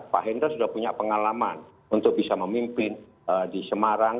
pak hendra sudah punya pengalaman untuk bisa memimpin di semarang